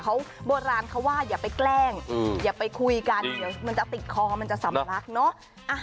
เขาโบราณเขาว่าอย่าไปแกล้งอย่าไปคุยกันเดี๋ยวมันจะติดคอมันจะสำลักเนอะ